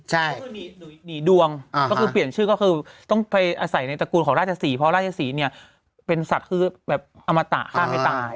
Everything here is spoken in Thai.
หล่องเปี่ยนชื่อก็คือต้องไปใส่ในตระกูลของราชสีเพราะราชสีเนี่ยเป็นศักริจอมต่างราวประเมษาไว้ตาย